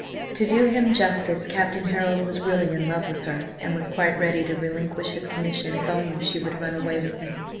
To do him justice, Captain Harold was really in love with her and was quite ready to relinquish his commission if only she would run away with him.